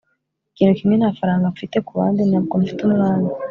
ikintu kimwe, nta faranga mfite. kubandi, ntabwo mfite umwanya